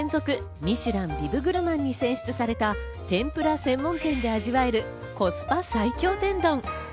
『ミシュランガイド・ビブグルマン』に選出された天ぷら専門店で味わえるコスパ最強天丼。